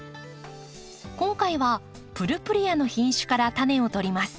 今回はプルプレアの品種からタネをとります。